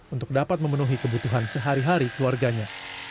untuk dapat memenuhi kebutuhan sehari hari keluarganya